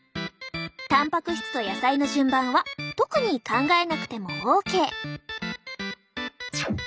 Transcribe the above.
たんぱく質と野菜の順番は特に考えなくてもオーケー！